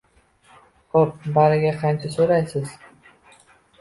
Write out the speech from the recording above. – Xo‘p, bariga qancha so‘raysiz?